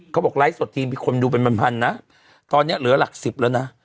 เขาบอกไลฟ์สดทีมมีคนดูเป็นพันนะตอนนี้เหลือหลักสิบแล้วนะ